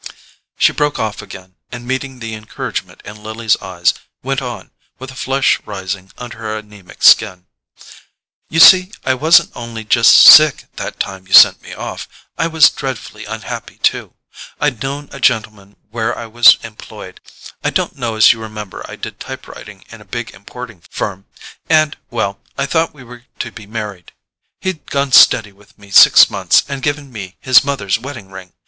She broke off again, and meeting the encouragement in Lily's eyes, went on, with a flush rising under her anaemic skin: "You see I wasn't only just SICK that time you sent me off—I was dreadfully unhappy too. I'd known a gentleman where I was employed—I don't know as you remember I did type writing in a big importing firm—and—well—I thought we were to be married: he'd gone steady with me six months and given me his mother's wedding ring.